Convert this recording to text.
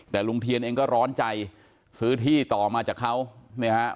แต่ลุงเทียนเองก็ร้อนใจซื้อที่ต่อมาจากเขาเนี่ยฮะ